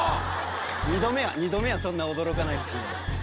２度目はそんな驚かないですよ